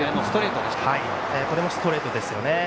これもストレートですね。